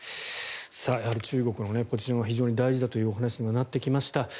中国のポジションは非常に大事だという話になってきました。